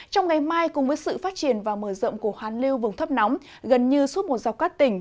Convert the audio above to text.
trong ngày mai cùng với sự phát triển và mở rộng của hoàn lưu vùng thấp nóng gần như suốt một dọc các tỉnh